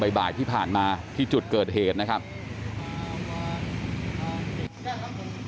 อันที่หนึ่งละละลิตาเนี่ยครับจะลีกล่อพี่ไปกับผู้ชอบ